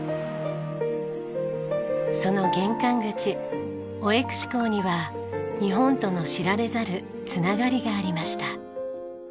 その玄関口オエクシ港には日本との知られざる繋がりがありました。